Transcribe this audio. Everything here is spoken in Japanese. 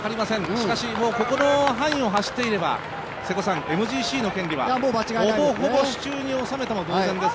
しかし、ここの範囲を走っていればＭＧＣの権利は、ほぼほぼ手中に収めたも同然です。